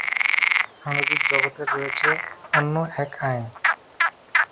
আণবিক জগতের রয়েছে অন্য এক আইন।